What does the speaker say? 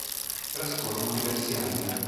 Trascorrono diversi anni.